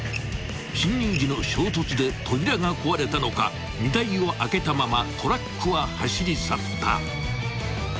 ［進入時の衝突で扉が壊れたのか荷台を開けたままトラックは走り去った］